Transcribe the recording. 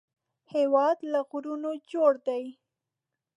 هېواد له غرونو جوړ دی